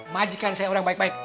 majikan saya orang baik baik